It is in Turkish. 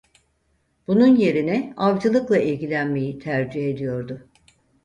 Bunun yerine avcılıkla ilgilenmeyi tercih ediyordu.